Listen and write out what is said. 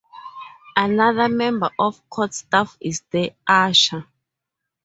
Another member of court staff is the usher.